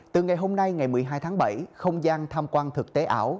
từ ngày hôm nay ngày một mươi hai tháng bảy không gian tham quan thực tế ảo